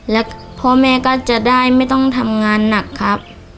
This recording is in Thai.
และพ่อแม่ก็จะได้ไม่ต้องทำงานหนักครับ